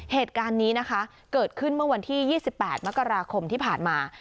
เหตุการณ์นี้นะคะเกิดขึ้นเมื่อวันที่๒๘มกราคมที่ผ่านมา